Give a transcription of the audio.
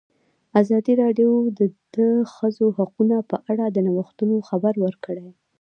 ازادي راډیو د د ښځو حقونه په اړه د نوښتونو خبر ورکړی.